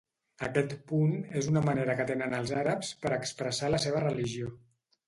Aquest punt és una manera que tenen els àrabs per expressar la seva religió.